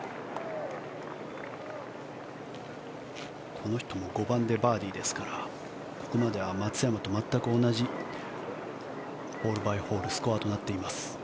この人も５番でバーディーですからここまでは松山と全く同じホールバイスコアとなっています。